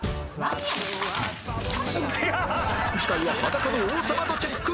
次回は裸の王様度チェック